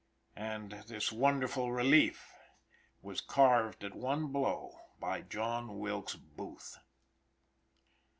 And this wonderful relief was carved at one blow by John Wilkes Booth.